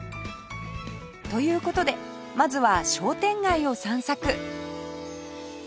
という事でまずは商店街を散策